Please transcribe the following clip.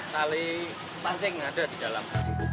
tali pancing ada di dalam